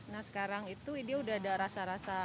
nah sekarang itu dia udah ada rasa rasa